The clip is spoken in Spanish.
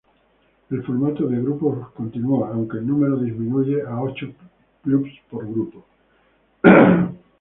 El formato de grupos continúa, aunque el número disminuye a ocho clubes por grupo.